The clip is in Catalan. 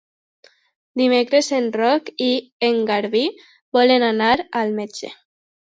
Dimecres en Roc i en Garbí volen anar al metge.